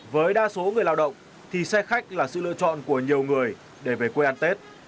với đa số người lao động thì xe khách là sự lựa chọn của nhiều người để về quê ăn tết